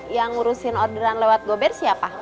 yang ngurusin orderan lewat gober siapa